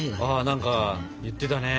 何か言ってたね。